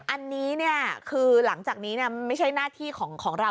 อันนี้คือหลังจากนี้ไม่ใช่หน้าที่ของเรา